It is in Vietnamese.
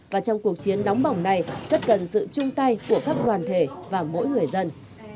và trong cuộc chiến đóng bỏng này rất cần sự chung tay của các đoàn thể và mỗi người dân